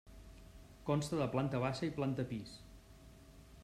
Consta de planta baixa i planta pis.